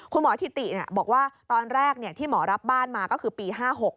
ถิติบอกว่าตอนแรกที่หมอรับบ้านมาก็คือปี๕๖